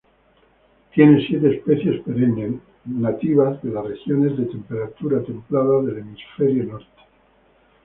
Tiene siete especies perennes nativas de las regiones de temperatura templada del hemisferio norte.